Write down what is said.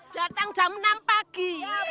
datang jam enam pagi